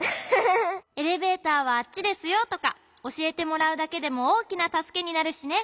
「エレベーターはあっちですよ」とかおしえてもらうだけでもおおきなたすけになるしね。